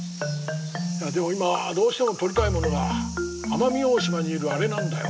いやでも今どうしても撮りたいものが奄美大島にいるあれなんだよ。